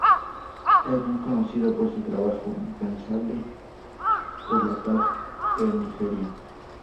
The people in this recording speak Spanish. Es bien conocido por su trabajo incansable por la paz en Nigeria.